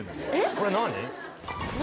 これ何？